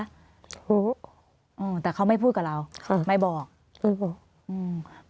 รู้อืมแต่เขาไม่พูดกับเราค่ะไม่บอกอืม